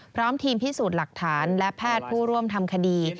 พร้อมทีมพิสูจน์หลักฐานและแพทย์ผู้ร่วมทำคดี